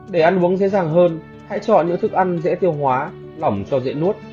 để ăn uống dễ dàng hơn hãy chọn những thức ăn dễ tiêu hóa lỏng cho dễ nuốt